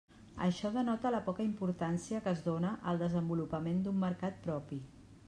Això denota la poca importància que es dóna al desenvolupament d'un mercat propi.